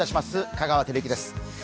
香川照之です。